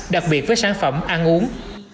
đặc biệt với sản phẩm ăn uống